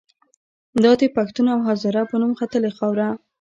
دا د پښتون او هزاره په نوم ختلې خاوره